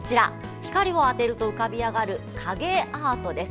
光を当てると浮かび上がる影アートです。